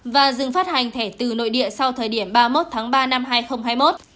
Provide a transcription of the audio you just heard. và dừng phát hành thẻ từ nội địa sau thời điểm ba mươi một tháng ba năm hai nghìn hai mươi một